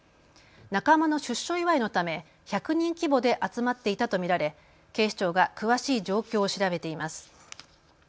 仲間の出所祝いのため１００人規模で集まっていたと見られ警視庁が詳しい状況を調べています。